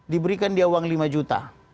diberikan dia uang lima juta